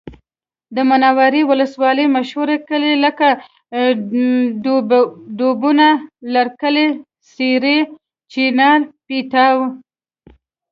د منورې ولسوالۍ مشهور کلي لکه ډوبونه، لرکلی، سېرۍ، چینار، پیتاو